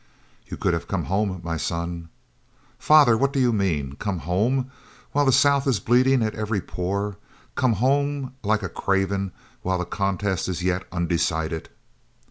"You could have come home, my son." "Father! what do you mean? Come home while the South is bleeding at every pore? Come home like a craven while the contest is yet undecided?"